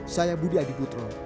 saya budi adibutro